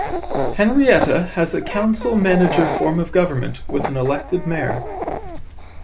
Henryetta has a council-manager form of government with an elected mayor.